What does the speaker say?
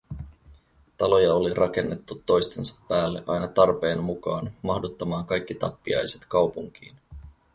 Taloja oli rakennettu toistensa päälle aina tarpeen mukaan mahduttamaan kaikki tappiaiset kaupunkiin.